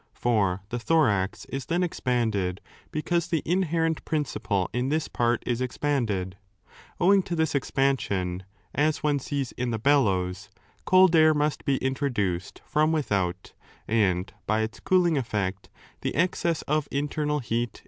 For the thorax is then expanded, because the inherent principle in this part is expanded. Owing to this expansion, as one sees in the bellows, cold air must be introduced from without and, by ^3 its cooling effect, the excess of internal heat is lowered.